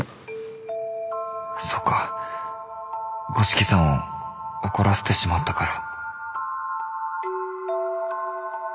そうか五色さんを怒らせてしまったから。